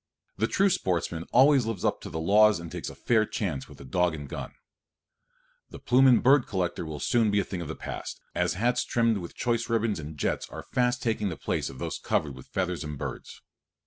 The true sportsman always lives up to the laws and takes a fair chance with dog and gun. The plume and bird collector will soon be a thing of the past, as hats trimmed with choice ribbons and jets are fast taking the place of those covered with feathers and birds.